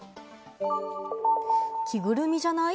着ぐるみじゃない？